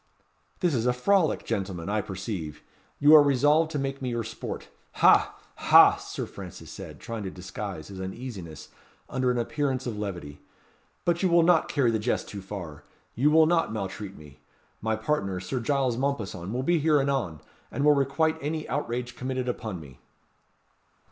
"This is a frolic, gentleman, I perceive. You are resolved to make me your sport ha! ha!" Sir Francis said, trying to disguise his uneasiness under an appearance of levity "But you will not carry the jest too far. You will not maltreat me. My partner, Sir Giles Mompesson, will be here anon, and will requite any outrage committed upon me."